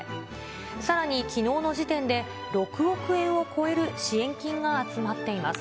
さらにきのうの時点で、６億円を超える支援金が集まっています。